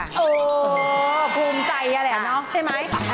โอ้โฮภูมิใจอ่ะแหละเนอะใช่ไหม